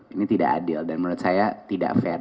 ini tidak adil dan menurut saya tidak fair